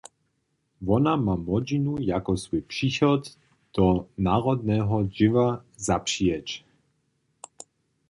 Wona ma młodźinu jako swój přichod do narodneho dźěła zapřijeć.